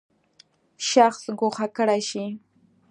شخص ګوښه کړی شي.